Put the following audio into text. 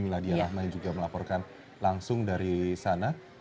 miladia rahma yang juga melaporkan langsung dari sana